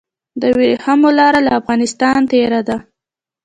د وریښمو لاره له افغانستان تیریده